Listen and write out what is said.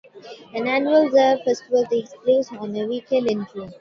An annual jazz festival takes place on a weekend in June.